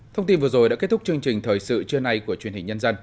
thông tin vừa rồi đã kết thúc chương trình thời sự trưa nay của truyền hình nhân dân